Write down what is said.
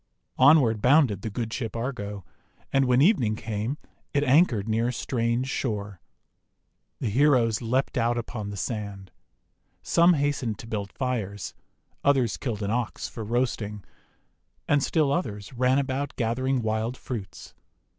Onward bounded the good Ship Argo, and when evening came it anchored near a strange shore. The heroes leaped out upon the sand. Some hastened to build fires, others killed an Ox for roasting, and still others ran about gathering wild fruits.